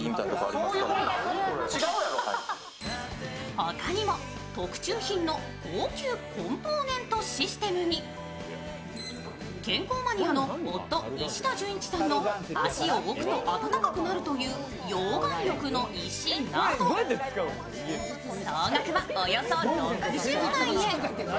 他にも特注品の高級コンポーネントシステムに健康マニアの夫、石田純一さんの足を置くと温かくなるという溶岩浴の石など総額はおよそ６０万円。